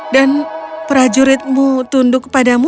dan prajuritmu tunduk kepadamu